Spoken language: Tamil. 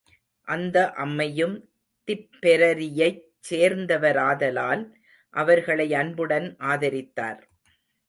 அந்த அம்மையும் திப்பெரரியைச் சேர்ந்தவராதலால் அவர்களை அன்புடன் ஆதரித்தார்.